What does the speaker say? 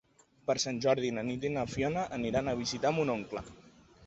Per Sant Jordi na Nit i na Fiona aniran a visitar mon oncle.